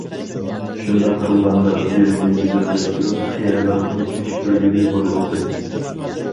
شۇنداق قىلغاندا، تېرىنى گۈزەللەشتۈرۈپ قېرىلىقنى كېچىكتۈرگىلى بولىدىكەن.